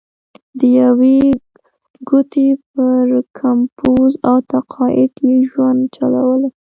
د یوې ګوتې پر کمپوز او تقاعد یې ژوند چلوله.